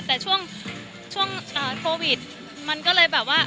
แต่ช่วงโควิดมันก็เลยแบบว่า